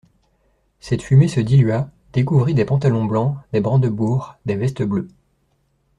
Cette fumée se dilua, découvrit des pantalons blancs, des brandebourgs, des vestes bleues.